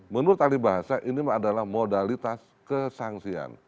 menurut ahli bahasa ini adalah modalitas kesangsian